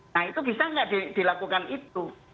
nah itu bisa nggak dilakukan itu